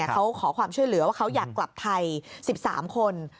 เขาขอความช่วยเหลือว่าเขาอยากกลับไทย๑๓คน